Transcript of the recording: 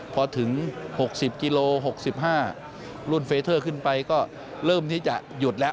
พอถึง๖๐กิโล๖๕รุ่นเฟเทอร์ขึ้นไปก็เริ่มที่จะหยุดแล้ว